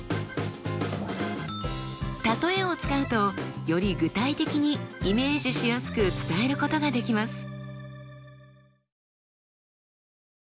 例えを使うとより具体的にイメージしやすく伝えることができます。